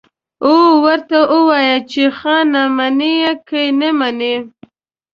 او ورته ووايي چې خانه منې که يې نه منې.